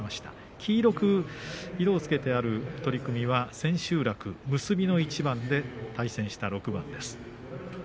黄色く色をつけてある取組が千秋楽、結びの一番で対戦した６番です。